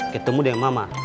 ketemu dengan mama